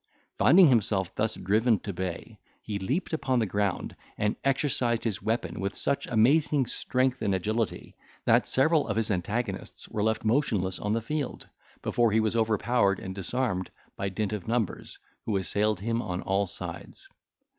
Finding himself thus driven to bay, he leaped upon the ground, and exercised his weapon with such amazing strength and agility, that several of his antagonists were left motionless on the field, before he was overpowered and disarmed by dint of numbers, who assailed him on all sides.